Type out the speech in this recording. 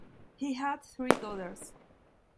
He had three daughters.